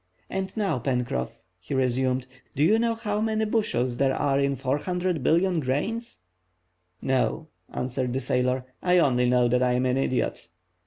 And now, Pencroff," he resumed, "do you know how many bushels there are in 400,000,000,000 grains?" "No," answered the sailor, "I only know that I am an idiot!"